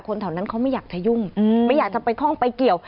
แถวนั้นเขาไม่อยากจะยุ่งไม่อยากจะไปท่องไปเกี่ยว